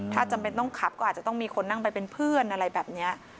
ถ้าจำเป็นต้องขับก็อาจจะต้องมีคนนั่งไปเป็นเพื่อนอะไรแบบนี้